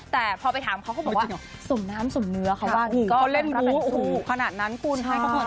แต่พอไปถามเขาก็บอกว่าส่มน้ำส่มเนื้อค่ะว่าก็เล่นประแสสูขนาดนั้นคุณค่ะ